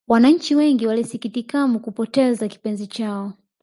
Wananchi wengi walisikitikam kupoteza kipenzi chao